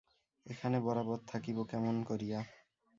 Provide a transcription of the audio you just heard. এখানে বরাবর থাকিব কেমন করিয়া।